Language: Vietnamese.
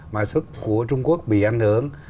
mà xuất của trung quốc bị ảnh hưởng